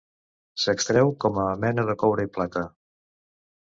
S'extreu com a mena de coure i plata.